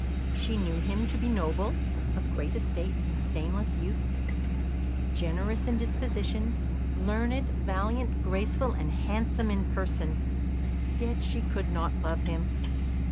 She knew him to be noble, of great estate and stainless youth, generous in disposition, learned, valiant, graceful, and handsome in person. Yet she could not love him.